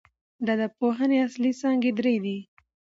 د ادبپوهني اصلي څانګي درې دي.